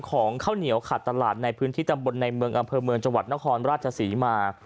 ของข้าวเหนียวขาดตลาดในพื้นที่ตำบลในเมืองอำเภอเมืองจังหวัดนครราชศรีมา